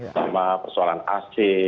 pertama persoalan ac